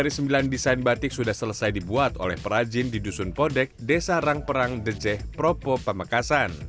hingga kini enam dari sembilan desain batik sudah selesai dibuat oleh perajin di dusun podek desa rang perang dejeh propo pamakasan